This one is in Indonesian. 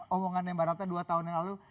omongannya mbak ratna dua tahun yang lalu